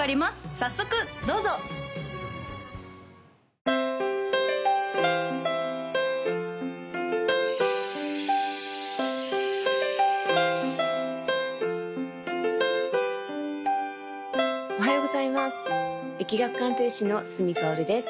早速どうぞおはようございます易学鑑定士の角かおるです